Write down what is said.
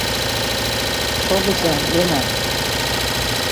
— Шогыза, Лена.